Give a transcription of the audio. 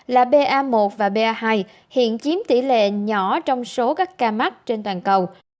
là ba và ba hai hiện chiếm tỷ lệ nhỏ trong số các ca mắc trên toàn cầu